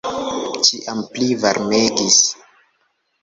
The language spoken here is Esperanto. Ĉiam pli varmegis.